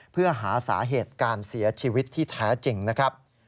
เพื่อหาสาเหตุการเสียชีวิตที่แท้จริงนะครับ